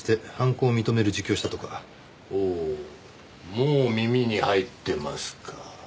もう耳に入ってますか。